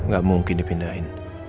gak mungkin dipindahin